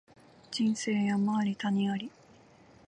人生山あり谷あり